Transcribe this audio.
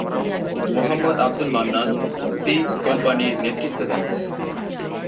Mohammad Abdul Mannan ‘C’ কোম্পানির নেতৃত্ব দেন।